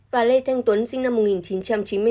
và lê thanh tuấn sinh năm một nghìn chín trăm chín mươi chín